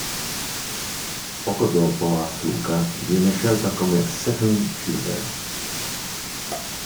Poco dopo Asuka viene scelta come Second Children.